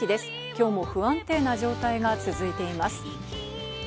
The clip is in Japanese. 今日も不安定な状態が続いています。